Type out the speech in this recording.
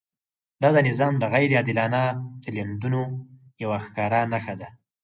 دا د نظام د غیر عادلانه چلندونو یوه ښکاره نښه ده.